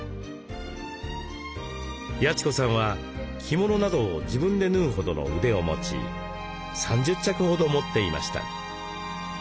八千子さんは着物などを自分で縫うほどの腕を持ち３０着ほど持っていました。